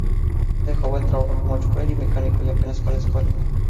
De joven trabajó como chófer y mecánico y apenas fue a la escuela.